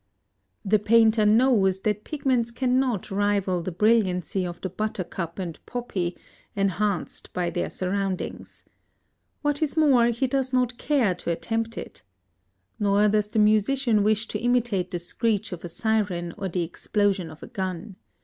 The painter knows that pigments cannot rival the brilliancy of the buttercup and poppy, enhanced by their surroundings. What is more, he does not care to attempt it. Nor does the musician wish to imitate the screech of a siren or the explosion of a gun.